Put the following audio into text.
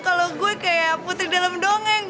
kalau gue kayak putri dalam dongeng